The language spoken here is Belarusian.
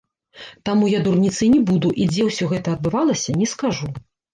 Таму я дурніцай не буду і дзе ўсё гэта адбывалася, не скажу.